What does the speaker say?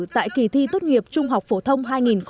tại kỳ thi tốt nghiệp trung học phổ thông hai nghìn một mươi tám